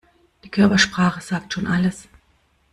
Die Körpersprache sagt schon alles.